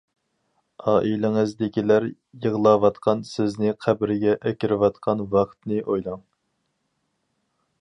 ئائىلىڭىزدىكىلەر يىغلاۋاتقان، سىزنى قەبرىگە ئەكىرىۋاتقان ۋاقىتنى ئويلاڭ.